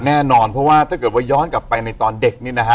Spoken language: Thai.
แน่นอนเพราะว่าถ้าเกิดว่าย้อนกลับไปในตอนเด็กนี่นะฮะ